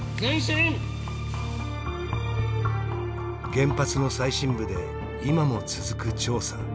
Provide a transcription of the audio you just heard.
原発の最深部で今も続く調査。